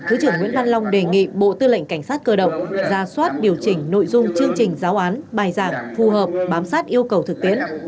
thứ trưởng nguyễn văn long đề nghị bộ tư lệnh cảnh sát cơ động ra soát điều chỉnh nội dung chương trình giáo án bài giảng phù hợp bám sát yêu cầu thực tiễn